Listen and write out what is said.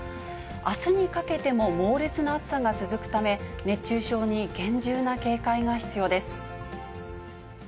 あすにかけても猛烈な暑さが続くため、熱中症に厳重な警戒が必要です。